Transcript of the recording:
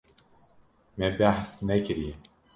Me behs nekiriye.